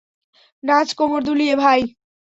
নাচ কোমড় দুলিয়ে, ভাই।